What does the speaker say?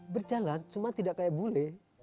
berjalan cuma tidak kayak boleh